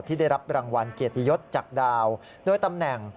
ที่ได้รับรางวัลเกียรติยศจากดาวโดยตำแหน่ง